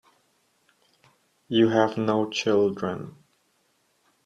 You have no children.